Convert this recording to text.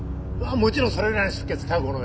もちろんそれぐらいの出血覚悟の上です。